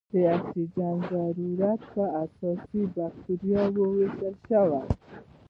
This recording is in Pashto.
د اکسیجن د ضرورت په اساس بکټریاوې ویشل شوې.